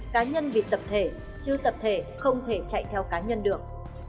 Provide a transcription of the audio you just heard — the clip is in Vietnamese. cá nhân bị tập thể chứ tập thể không thể chạy theo cá nhân được